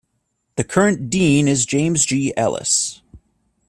The current Dean is James G. Ellis.